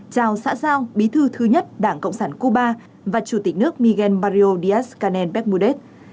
chào xã giao bí thư thứ nhất đảng cộng sản cuba và chủ tịch nước miguel mario díaz canel becmudet